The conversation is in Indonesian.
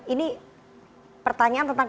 ini pertanyaan tentang